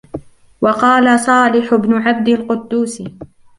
وَقَالَ صَالِحُ بْنُ عَبْدِ الْقُدُّوسِ